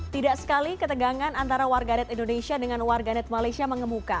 tidak sekali ketegangan antara warganet indonesia dengan warganet malaysia mengemuka